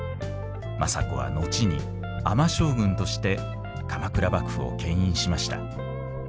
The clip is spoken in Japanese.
政子は後に尼将軍として鎌倉幕府を牽引しました。